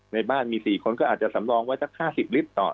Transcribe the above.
ในบ้านมี๔คนก็อาจจะสำรองไว้สัก๕๐ลิตรต่อ